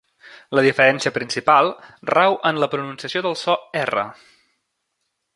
La diferència principal rau en la pronunciació del so "r".